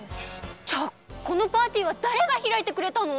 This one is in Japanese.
じゃあこのパーティーはだれがひらいてくれたの！？